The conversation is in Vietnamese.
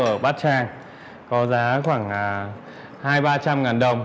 ở bát trang có giá khoảng hai trăm linh ba trăm linh ngàn đồng